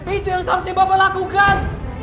itu yang seharusnya bapak lakukan